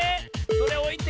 それおいて。